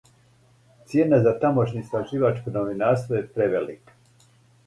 Цијена за тамошње истраживачко новинарство је превелика.